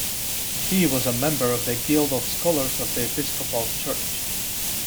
He was a member of the Guild of Scholars of The Episcopal Church.